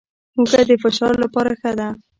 هوږه د فشار لپاره ښه ده